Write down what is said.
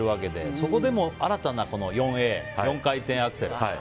そこでも新たな４Ａ、４回転アクセル。